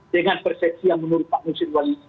dengan persepsi yang menurut pak gus rirwan